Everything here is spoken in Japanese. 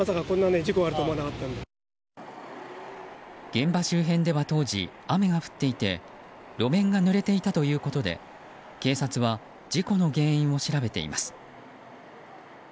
現場周辺では当時雨が降っていて路面がぬれていたということで警察は事故の原因を調べています。